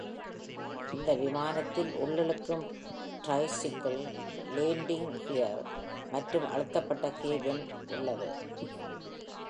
இந்த விமானத்தில் உள்ளிழுக்கும் ட்ரைசைக்கிள் லேண்டிங் கியர் மற்றும் அழுத்தப்பட்ட கேபின் உள்ளது.